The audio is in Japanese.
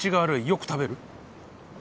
よく食べる？